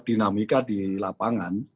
dinamika di lapangan